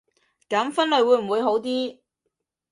噉分類會唔會好啲